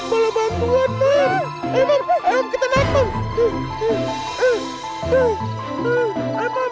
dia kan udah menolong kita